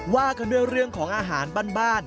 ว่ากันด้วยเรื่องของอาหารบ้าน